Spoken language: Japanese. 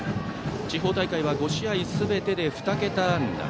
地方大会は５試合すべてで２桁安打。